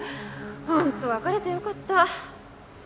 本当別れてよかった。